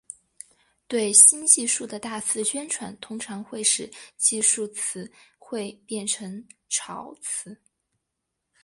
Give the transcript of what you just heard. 对新技术的大肆宣传通常会使技术词汇变成潮词。